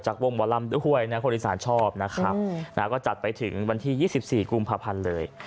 จากวงวลำหวยคนอิสราชอบนะครับก็จัดไปถึงวันที่๒๔กุมภาพันธ์เลย